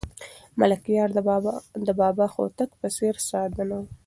ملکیار د بابا هوتک په څېر ساده نه و.